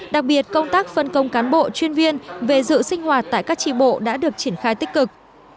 đặc biệt công tác phân công cán bộ chuyên viên về dự sinh hoạt tại các tri bộ đã được triển khai tích cực